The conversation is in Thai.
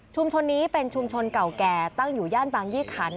นี้เป็นชุมชนเก่าแก่ตั้งอยู่ย่านบางยี่ขัน